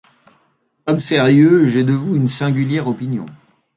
Homme sérieux, j'ai de vous une singulière opinion.